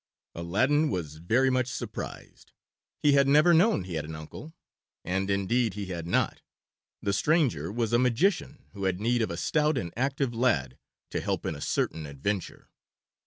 Aladdin was very much surprised. He had never known he had an uncle. And indeed he had not. The stranger was a magician who had need of a stout and active lad to help in a certain adventure.